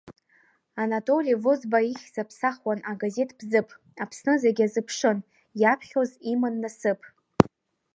Анатоли Возба ихьӡ аԥсахуан агазеҭ Бзыԥ, Аԥсны зегь азыԥшын, иаԥхьоз иман насыԥ…